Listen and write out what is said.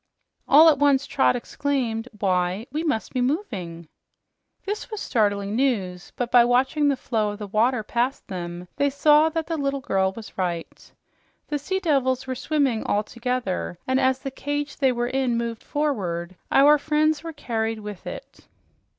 All at once Trot exclaimed, "Why, we must be moving!" This was startling news, but by watching the flow of water past them they saw that the little girl was right. The sea devils were swimming, all together, and as the cage they were in moved forward, our friends were carried with it.